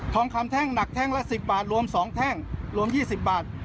ทองคำแท่งหนักแท่งละ๑๐บาทรวม๒แท่งรวม๒๐บาท